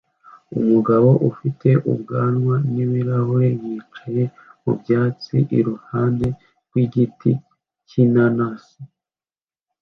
Umugabo ufite ubwanwa n'ibirahure yicaye mu byatsi iruhande rw'igiti cy'inanasi